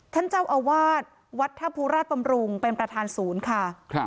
ท่านเจ้าอาวาสวัดท่าภูราชบำรุงเป็นประธานศูนย์ค่ะ